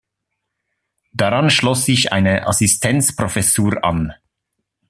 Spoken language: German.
Daran schloss sich eine Assistenzprofessur an.